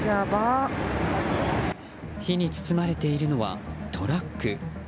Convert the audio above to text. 火に包まれているのはトラック。